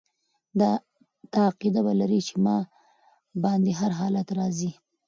دا عقیده به لري چې په ما باندي هر حالت را ځي